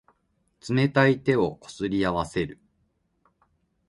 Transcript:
冷たい手をこすり合わせる。